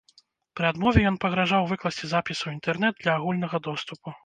Пры адмове ён пагражаў выкласці запіс у інтэрнэт для агульнага доступу.